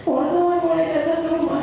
orang tua mulai datang ke rumah